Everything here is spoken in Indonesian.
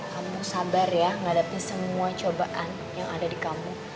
kamu sabar ya menghadapi semua cobaan yang ada di kamu